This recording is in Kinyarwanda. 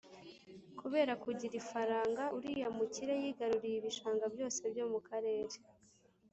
kubera kugira ifaranga uriya mukire yigaruriye ibishanga byose byo mu karere.